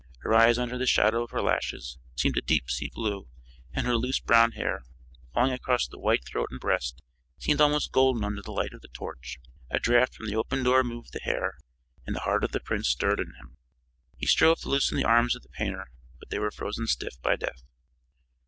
Her eyes under the shadow of her lashes, seemed a deep sea blue, and her loose, brown hair, falling across the white throat and breast, seemed almost golden under the light of the torch. A draft from the open door moved the hair and the heart of the prince stirred in him. He strove to loosen the arms of the painter, but they were frozen stiff by death.